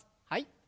はい。